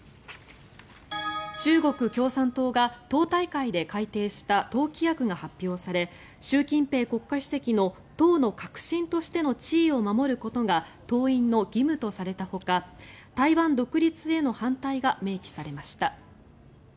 中国共産党が党大会で改定した党規約が発表され習近平国家主席の党の核心としての地位を守ることが党員の義務とされたほか台湾独立への反対が明記されました。